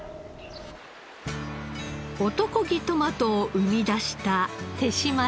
男気トマトを生み出した手島孝明さんです。